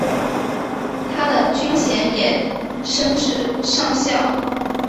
他的军衔也升至上校。